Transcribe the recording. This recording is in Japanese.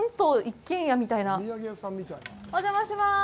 お邪魔します。